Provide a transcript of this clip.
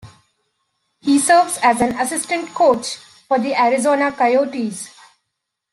He serves as an assistant coach for the Arizona Coyotes.